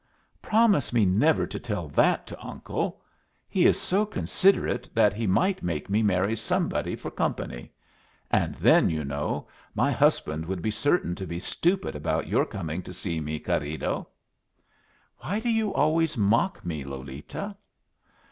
"Promise me never to tell that to uncle. He is so considerate that he might make me marry somebody for company. And then, you know, my husband would be certain to be stupid about your coming to see me, querido." "Why do you always mock me, Lolita?"